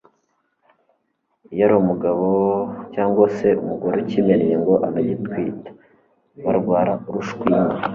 iyo ari umugabo cyangwa se umugore ukimennye ngo aragitwita (barwara urushwima)